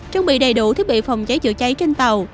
trang bị đầy đủ thiết bị phòng cháy chữa cháy trên tàu